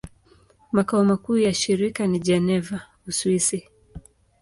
Makao makuu ya shirika ni Geneva, Uswisi.